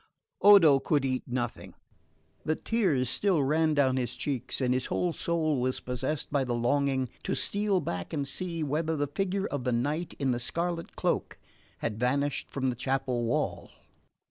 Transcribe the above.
Odo could eat nothing. The tears still ran down his cheeks and his whole soul was possessed by the longing to steal back and see whether the figure of the knight in the scarlet cloak had vanished from the chapel wall.